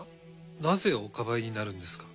なぜおかばいになるんですか？